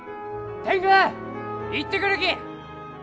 天狗行ってくるき！